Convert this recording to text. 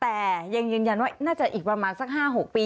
แต่ยังยืนยันว่าน่าจะอีก๕๖ปี